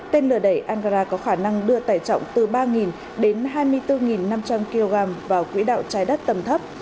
tên lửa đẩy anra có khả năng đưa tài trọng từ ba đến hai mươi bốn năm trăm linh kg vào quỹ đạo trái đất tầm thấp